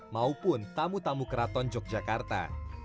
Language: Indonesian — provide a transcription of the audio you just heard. maupun tamu tamu keraton yogyakarta